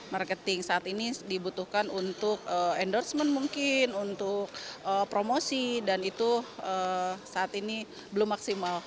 marketing saat ini dibutuhkan untuk endorsement mungkin untuk promosi dan itu saat ini belum maksimal